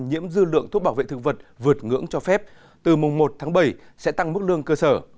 nhiễm dư lượng thuốc bảo vệ thực vật vượt ngưỡng cho phép từ mùng một tháng bảy sẽ tăng mức lương cơ sở